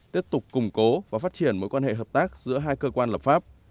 tiếp tục củng cố và phát triển mối quan hệ hợp tác giữa hai cơ quan lập pháp